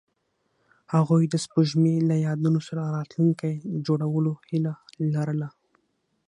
هغوی د سپوږمۍ له یادونو سره راتلونکی جوړولو هیله لرله.